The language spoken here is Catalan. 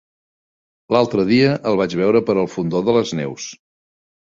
L'altre dia el vaig veure per el Fondó de les Neus.